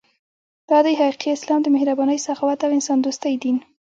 دا دی حقیقي اسلام د مهربانۍ، سخاوت او انسان دوستۍ دین.